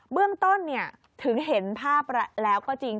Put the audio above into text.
เบื้องต้นถึงเห็นภาพแล้วก็จริง